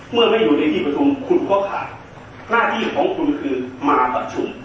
เมื่อไม่อยู่ในที่ประชุมคุณก็ขาดหน้าที่ของคุณคือมาประชุม